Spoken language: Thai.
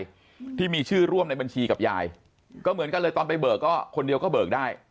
ที่มีชื่อร่วมในบัญชีกับยายก็เหมือนกันเลยตอนไปเบิกก็คนเดียวก็เบิกได้